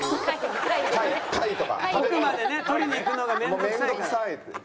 遠くまでね取りに行くのが面倒くさいから。